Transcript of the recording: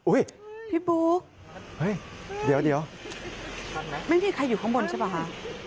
อุ๊ยพี่ปู๊กเดี๋ยวไม่มีใครอยู่ข้างบนใช่ไหมฮะ